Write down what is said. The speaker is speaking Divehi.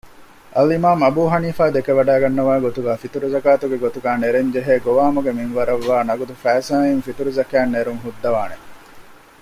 އަލްއިމާމު އަބޫޙަނީފާ ދެކެވަޑައިގަންނަވާގޮތުގައި ފިޠުރުޒަކާތުގެ ގޮތުގައި ނެރެންޖެހޭ ގޮވާމުގެ މިންވަރަށްވާ ނަޤުދު ފައިސާއިން ފިޠުރުޒަކާތް ނެރުންހުއްދަވާނެ